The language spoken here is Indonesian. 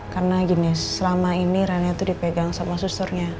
karena gini selama ini reina itu dipegang sama susternya